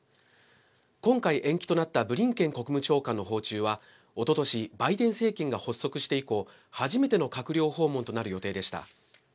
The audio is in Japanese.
今回、延期となったブリンケン国務長官の訪中はおととしバイデン政権が発足して以降初めての閣僚訪問となる予定でした。